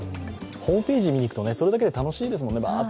ホームページを見にいくと、それだけで楽しいですもんね。